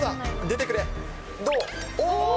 出てくれ。